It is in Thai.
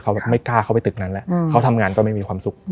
เขาแบบไม่กล้าเข้าไปตึกนั้นแหละเขาทำงานก็ไม่มีความสุข